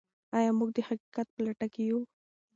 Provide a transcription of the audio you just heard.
آیا موږ د حقیقت په لټه کې یو؟